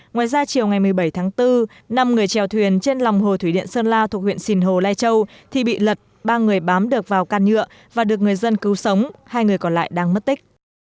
ngoài ra chiều ngày một mươi bảy tháng bốn năm người trèo thuyền trên lòng hồ thủy điện sơn la thuộc huyện sìn hồ lai châu thì bị lật ba người bám được vào can nhựa và được người dân cứu sống hai người còn lại đang mất tích